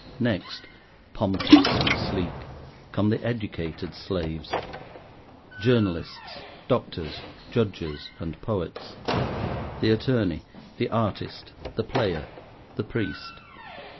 Next, pompous and sleek, come the educated slaves—journalists, doctors, judges, and poets; the attorney, the artist, the player, the priest.